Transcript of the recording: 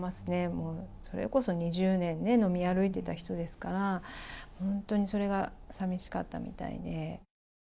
もうそれこそ２０年、飲み歩いてた人ですから、本当にそれがさみしかったみたいで。